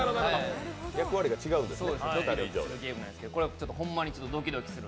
役割が違うんですね。